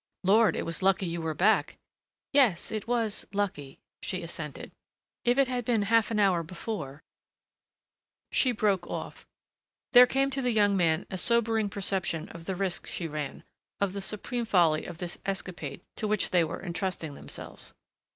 "Lord, it was lucky you were back!" "Yes, it was lucky," she assented. "If it had been half an hour before " She broke off. There came to the young man a sobering perception of the risk she ran, of the supreme folly of this escapade to which they were entrusting themselves.